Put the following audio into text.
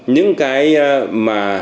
những cái mà